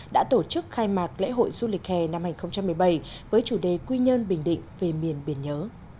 đã tổ chức khai mạc lễ hội du lịch hè năm hai nghìn một mươi bảy với chủ đề quy nhơn bình định về miền biển nhớ